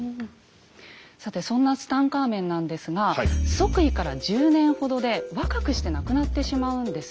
さてそんなツタンカーメンなんですが即位から１０年ほどで若くして亡くなってしまうんですね。